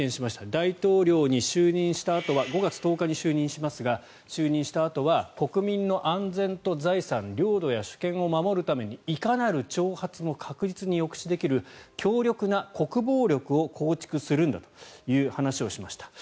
大統領に就任したあとは５月１０日に就任しますが就任したあとは国民の安全と財産領土や主権を守るためにいかなる挑発も確実に抑止できる強力な国防力を構築するんだという話をしました。